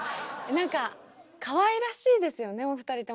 何かかわいらしいですよねお二人とも。